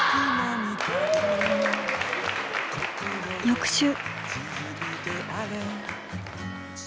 翌週。